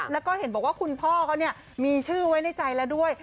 แล้วก็เห็นบอกว่าคุณพ่อเขามีชื่อไว้ในใจแล้วด้วย